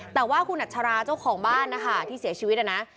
แต่ว่าคุณอัชราเจ้าของบ้านนะคะที่เสียชีวิตนะนะ